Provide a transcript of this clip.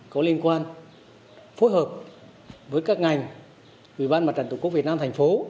có liên quan phối hợp với các ngành ủy ban mặt trận tổ quốc việt nam thành phố